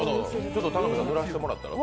ちょっと田辺さん、塗らせてもらったら？